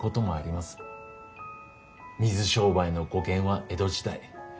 水商売の語源は江戸時代。